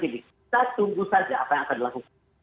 kita tunggu saja apa yang akan dilakukan